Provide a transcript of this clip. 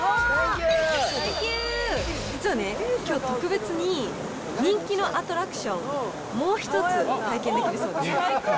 実はね、きょう特別に人気のアトラクション、もう一つ体験できるそうです。